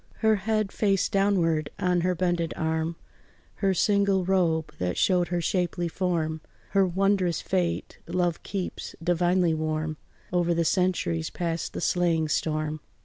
Her head, face downward, on her bended arm, Her single robe that showed her shapely form, Her wondrous fate love keeps divinely warm Over the centuries, past the slaying storm.